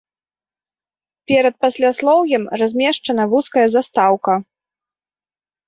Перад пасляслоўем размешчана вузкая застаўка.